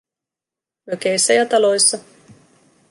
Mökeissä ja taloissa.